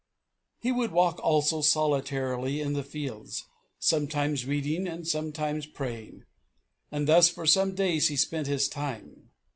He would walk also solitarily in the fields, sometimes reading and sometimes praying; and thus for some days he spent his time.